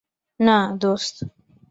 না, দোস্ত।